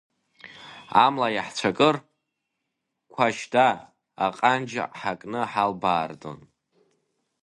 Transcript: Амла иаҳцәакыр, қәашьда, аҟанҷ ҳакны ҳалбаардон!